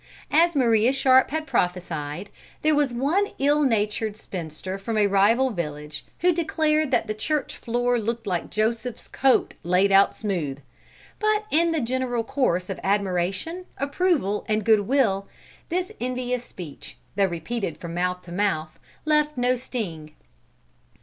As Maria Sharp had prophesied, there was one ill natured spinster from a rival village who declared that the church floor looked like Joseph's coat laid out smooth; but in the general chorus of admiration, approval, and good will, this envious speech, though repeated from mouth to mouth, left no sting.